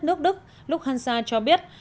nước đức lúc hansa cho biết